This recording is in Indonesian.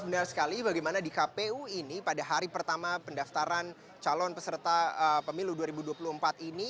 benar sekali bagaimana di kpu ini pada hari pertama pendaftaran calon peserta pemilu dua ribu dua puluh empat ini